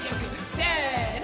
せの！